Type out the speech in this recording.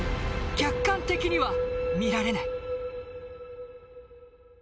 客観的には見られない。